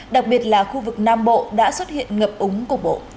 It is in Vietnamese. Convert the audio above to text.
đặc biệt là khu vực nam bộ đã xuất hiện ngập úng cục bộ